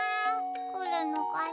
くるのかな？